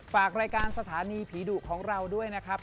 ฝากรายการสถานีผีดุของเราด้วยนะครับ